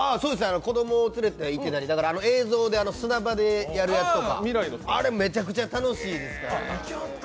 子供連れて行ってたり、映像で砂場でやるやつとか、あれめちゃくちゃ楽しいですから。